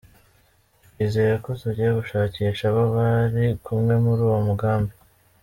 Twizeye ko tugiye gushakisha abo bari kumwe muri uwo mugambi.